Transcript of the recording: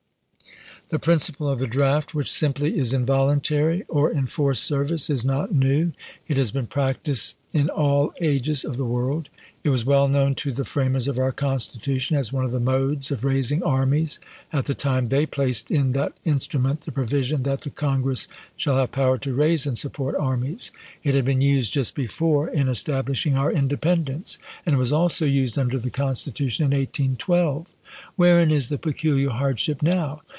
" The principle of the draft, which simply is in voluntary or enforced service, is not new. It has been practiced in all ages of the world. It was well known to the framers of our Constitution as one of the modes of raising armies, at the time they placed in that instrument the provision that ' the Congress shall have power to raise and support armies.' It had been used just before, in establish ing our independence, and it was also used under the Constitution in 1812. Wherein is the peculiar hardship now?